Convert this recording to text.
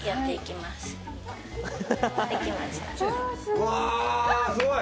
うわすごい！